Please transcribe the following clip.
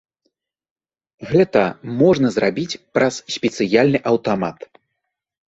Гэта можна зрабіць праз спецыяльны аўтамат.